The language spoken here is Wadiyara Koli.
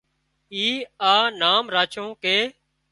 اي آ نام راڇون ڪي